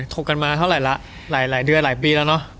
กกันมาเท่าไหร่ละหลายเดือนหลายปีแล้วเนอะ